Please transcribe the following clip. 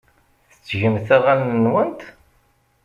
Tettgemt aɣanen-nwent?